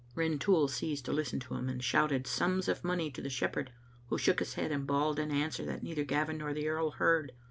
Rintoul ceased to listen to him, and shouted sums of money to the shepherd, who shook his head and bawled an answer that neither Gavin nor the earl heard.